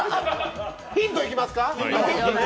ヒントいきますか。